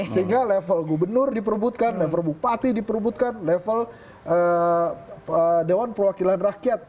sehingga level gubernur diperubutkan level bupati diperubutkan level dewan perwakilan rakyat